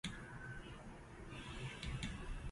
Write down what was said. It is maintained by the Northern Ireland Environment Agency.